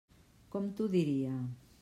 Com t'ho diria?